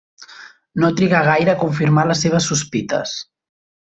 No trigà gaire a confirmar les seves sospites.